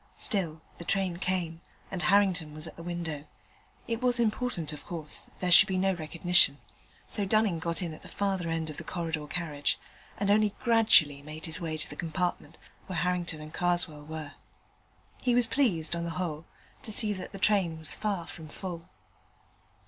Still, the train came, and Harrington was at the window. It was important, of course, that there should be no recognition: so Dunning got in at the farther end of the corridor carriage, and only gradually made his way to the compartment where Harrington and Karswell were. He was pleased, on the whole, to see that the train was far from full.